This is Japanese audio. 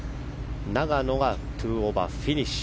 永野が２オーバーフィニッシュ。